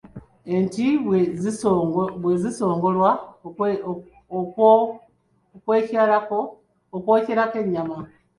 Enti bwe zisongolwa okwokyerako ennyama.